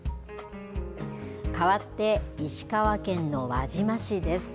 かわって石川県の輪島市です。